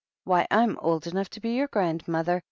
Why, I'm old enough to be your grandmother.